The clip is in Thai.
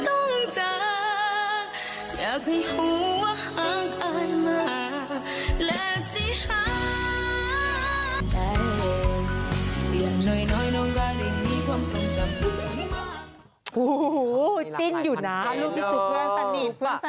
โอ้โหติ้งอยู่นะพูดมาสนิท